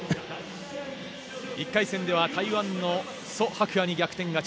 １回戦では台湾のソ・ハクアに逆転勝ち。